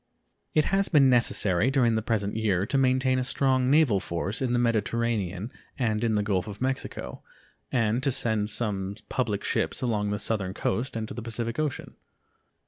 It has been necessary during the present year to maintain a strong naval force in the Mediterranean and in the Gulf of Mexico, and to send some public ships along the southern coast and to the Pacific Ocean.